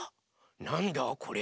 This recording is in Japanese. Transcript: なんだこれ？